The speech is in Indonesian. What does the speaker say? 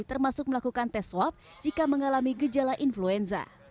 termasuk melakukan tes swab jika mengalami gejala influenza